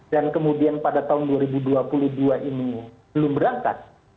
dan kemudian pada tahun dua ribu dua puluh dua ini belum berangkat